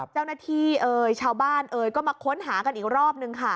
เจ้าหน้าที่เอ่ยชาวบ้านเอ่ยก็มาค้นหากันอีกรอบนึงค่ะ